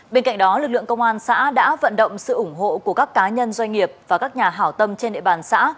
bên cạnh đó lực lượng công an xã đã vận động sự ủng hộ của các cá nhân doanh nghiệp và các nhà hảo tâm trên địa bàn xã